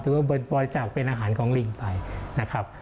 ถือว่าเบิร์นปลอดศัพท์เป็นอาหารของลิงไปนะครับ